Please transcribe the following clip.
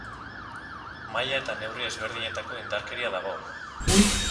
Maila eta neurri ezberdinetako indarkeria dago.